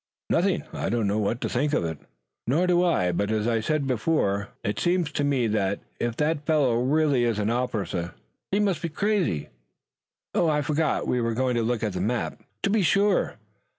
"Nothing. I don't know what to think of it." "Nor do I, but as I said before, it seems to me that, if that fellow really is an officer, he must be crazy. Oh, I forgot, we were going to look at the map." "To be sure.